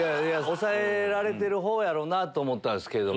抑えられてる方やろなと思ったんですけど。